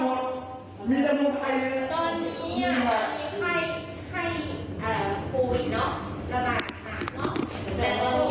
ตอนนี้เค้าได้เชิงการมาให้รู้ไหม